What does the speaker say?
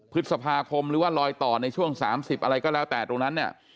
พฤษภาคมหรือว่าลอยต่อในช่วง๓๐อะไรก็แล้วแต่ตรงนั้นเนี่ย